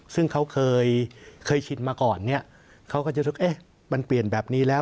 ซึ่งเขาเคยชินมาก่อนเขาก็จะรู้ว่ามันเปลี่ยนแบบนี้แล้ว